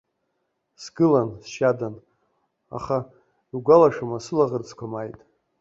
Сгылан сшьадан, аха, иугәалашәома, сылаӷырӡқәа мааит.